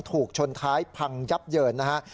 ถูกชนท้ายพังยับเยินนะฮะ